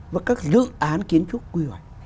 và các dự án kiến trúc quy hoạch